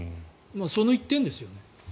その１点ですよ。